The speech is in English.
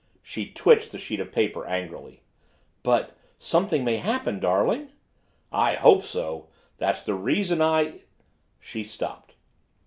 She twitched the sheet of paper angrily. "But something may happen, darling!" "I hope so! That's the reason I " She stopped.